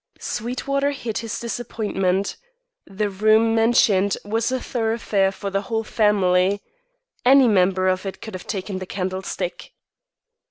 Sweetwater hid his disappointment. The room mentioned was a thoroughfare for the whole family. Any member of it could have taken the candlestick.